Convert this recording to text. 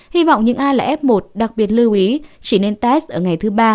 hy vọng những ai là f một đặc biệt lưu ý chỉ nên test ở ngày thứ ba